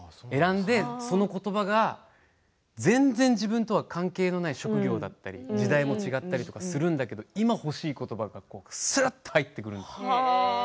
そのことばが全然、自分とは関係ない職業だったり時代だったりするんですが今、欲しいことばがすっと入ってくるんですよ。